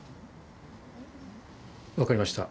わかりました